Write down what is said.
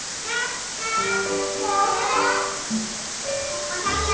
ここだよ。